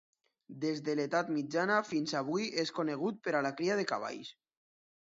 Des de l'edat mitjana fins avui és conegut per a la cria de cavalls.